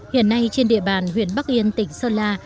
hiện nay trên địa bàn huyện bắc yên tỉnh sơn la